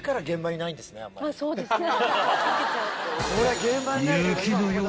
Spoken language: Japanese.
そうですね。